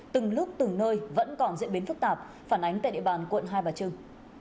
từng lúc từng nơi vẫn còn diễn biến phức tạp phản ánh tại địa bàn quận hai bà trưng